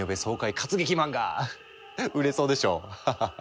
活劇漫画売れそうでしょ？ハハハ。